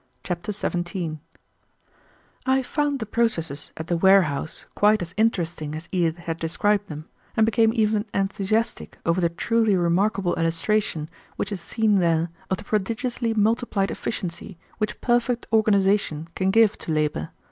Chapter 17 I found the processes at the warehouse quite as interesting as Edith had described them, and became even enthusiastic over the truly remarkable illustration which is seen there of the prodigiously multiplied efficiency which perfect organization can give to labor.